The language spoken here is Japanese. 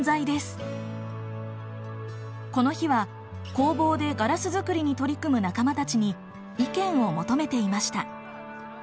この日は工房でガラス作りに取り組む仲間たちに意見を求めていました。